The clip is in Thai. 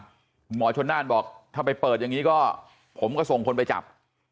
หมอชนน่านบอกถ้าไปเปิดอย่างนี้ก็ผมก็ส่งคนไปจับ